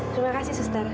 terima kasih suster